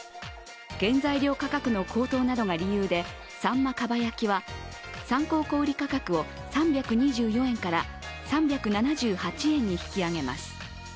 原材料価格の高騰などが理由で、さんま蒲焼は参考小売価格を３２４円から３７８円に引き上げます。